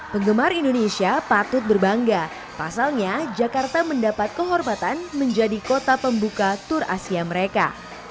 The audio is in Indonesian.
penggemar indonesia patut berbangga pasalnya jakarta mendapat kehormatan menjadi kota pembuka tur asia mereka